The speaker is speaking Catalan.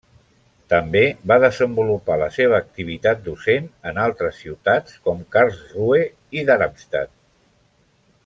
També va desenvolupar la seva activitat docent en altres ciutats, com Karlsruhe i Darmstadt.